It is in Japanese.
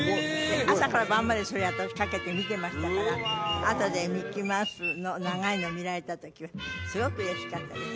朝から晩までそれ私かけて見てましたからあとでミッキーマウスの長いの見られた時はすごく嬉しかったです